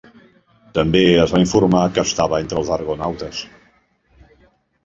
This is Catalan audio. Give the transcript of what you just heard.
També es va informar que estava entre els argonautes.